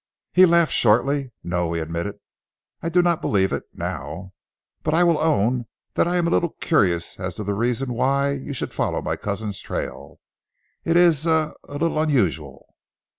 He laughed shortly. "No," he admitted. "I do not believe it now, but I will own that I am a little curious as to the reason why you should follow on my cousin's trail. It is er a little unusual."